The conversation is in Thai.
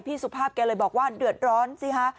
สุภาพแกเลยบอกว่าเดือดร้อนสิฮะ